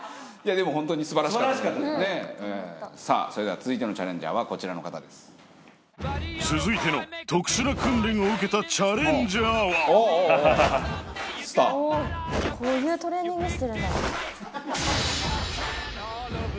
でもホントにすばらしかったそれでは続いてのチャレンジャーはこちらの方です続いての特殊な訓練を受けたチャレンジャーはっていう称号を奪いにいきたいと思います